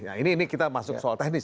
ya ini kita masuk soal teknis